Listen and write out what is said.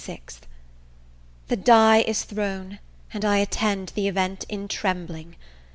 THE die is thrown, and I attend the event in trembling!